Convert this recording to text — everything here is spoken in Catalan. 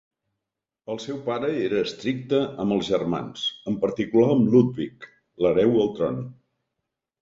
El seu pare era estricte amb els germans, en particular amb Ludwig, l'hereu al tron.